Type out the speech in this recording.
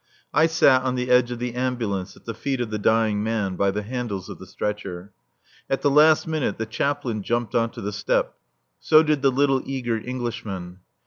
I sat on the edge of the ambulance, at the feet of the dying man, by the handles of the stretcher. At the last minute the Chaplain jumped on to the step. So did the little eager Englishman.